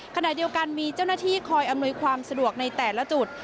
ขณะเดียวกันมีเจ้าหน้าที่คอยอำนวยความสะดวกในแต่ละจุด